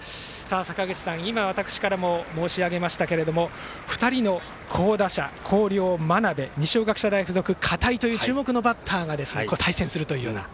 坂口さん、今、私からも申し上げましたが２人の好打者、広陵は真鍋二松学舎大付属の片井という注目のバッターが対戦するという。